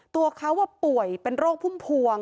ตัวเขาป่วยเป็นโรคพุ่มพวง